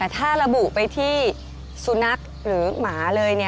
ถ้าระบุไปที่สุนัขหรือหมาเลย